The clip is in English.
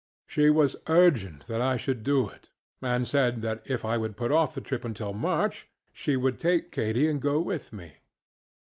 She was urgent that I should do it, and said that if I would put off the trip until March she would take Katy and go with me.